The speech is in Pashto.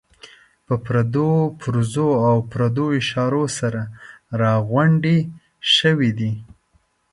په پردو پرزو او پردو اشارو سره راغونډې شوې دي.